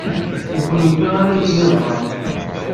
D kennemti ara yeččen iẓẓan.